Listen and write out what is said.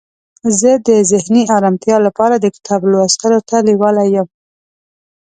زه د ذهني آرامتیا لپاره د کتاب لوستلو ته لیواله یم.